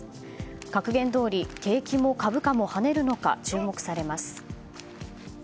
格言どおり景気も株価も跳ねるのか注目されます。